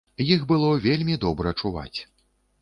Іх было вельмі добра чуваць.